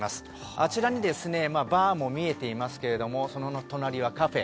あちらにバーも見えていますけどその隣はカフェ。